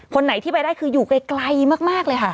ไหนที่ไปได้คืออยู่ไกลมากเลยค่ะ